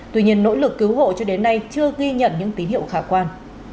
tuy nhiên nỗ lực cứu hộ cho đến nay chưa ghi nhận những tín hiệu khả quan